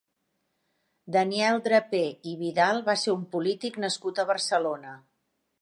Daniel Draper i Vidal va ser un polític nascut a Barcelona.